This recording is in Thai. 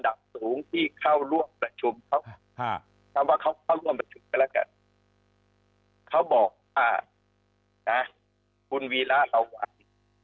ดับสูงที่เข้าร่วมประชุมเขาบอกว่าคุณวีร่าเราไหว